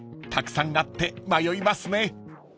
［たくさんあって迷いますね］